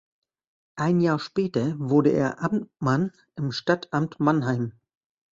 Ein Jahr später wurde er Amtmann im Stadtamt Mannheim.